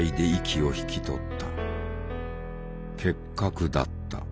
結核だった。